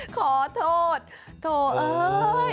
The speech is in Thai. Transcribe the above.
ขอโทษโอ้ย